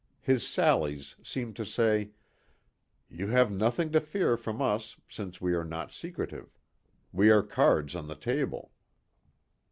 His sallies seemed to say, "You have nothing to fear from us since we are not secretive. We are cards on the table."